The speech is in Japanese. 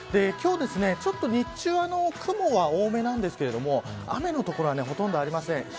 今日、ちょっと日中は雲が多めなんですが雨の所はほとんどありません。